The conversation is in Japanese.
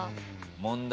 問題